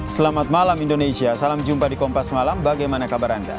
selamat malam indonesia salam jumpa di kompas malam bagaimana kabar anda